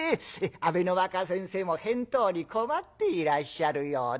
阿部の若先生も返答に困っていらっしゃるようだ。